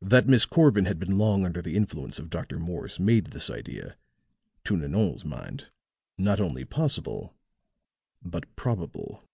That Miss Corbin had been long under the influence of Dr. Morse made this idea, to Nanon's mind, not only possible, but probable.